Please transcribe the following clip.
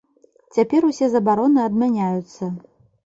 Цяпер усе забароны адмяняюцца.